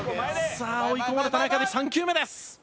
さあ追い込まれた中で３球目です。